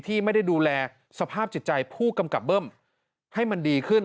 ที่ไม่ได้ดูแลสภาพจิตใจผู้กำกับเบิ้มให้มันดีขึ้น